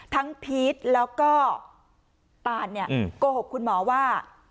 ทั้งพีชแล้วก็ตานเนี่ยอืมกโกหกคุณหมอว่า